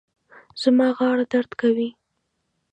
زما غاړه درد کوي